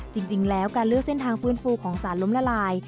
จริงแล้วการเลือกเส้นทางฟื้นฟูของสารล้มละลาย